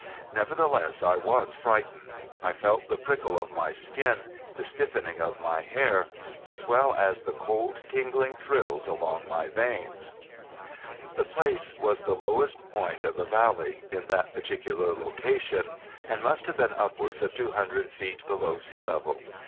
Nevertheless I was frightened. I felt the prickle of my skin, the stiffening of my hair, as well as the cold tingling thrills along my veins. This place was the lowest point of the valley, in that particular location, and must have been upwards of two hundred feet below sea level.